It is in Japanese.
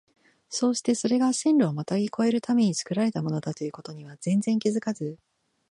そうしてそれが線路をまたぎ越えるために造られたものだという事には全然気づかず、